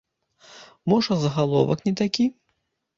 Можа загаловак не такі.